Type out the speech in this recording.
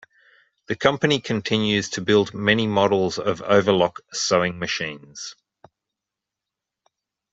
The company continues to build many models of overlock sewing machines.